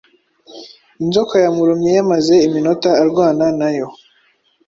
Inzoka yamurumye yamaze iminota arwana na yo